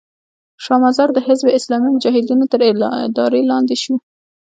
شا مزار د حزب اسلامي مجاهدینو تر اداره لاندې شو.